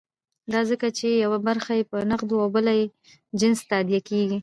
دا ځکه چې یوه برخه یې په نغدو او بله په جنس تادیه کېږي.